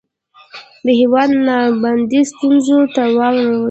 د هیواد نه باندې ستونځو ته واړوي